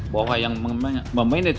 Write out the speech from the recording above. faktanya yang terjual baru delapan belas unit